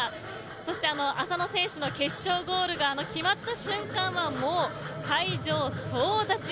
そして、浅野選手の決勝ゴールが決まった瞬間はもう会場総立ち。